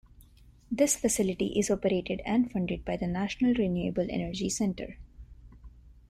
This facility is operated and funded by the National Renewable Energy Centre.